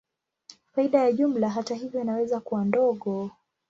Faida ya jumla, hata hivyo, inaweza kuwa ndogo.